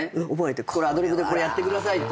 アドリブでこれやってくださいと。